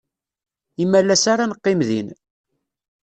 Imalas ara neqqim din.